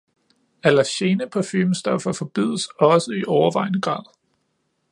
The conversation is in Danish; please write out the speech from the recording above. Allergene parfumestoffer forbydes også i overvejende grad.